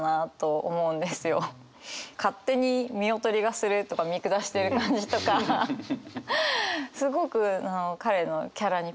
勝手に「見劣りがする」とか見下してる感じとかすごく彼のキャラにぴったりで。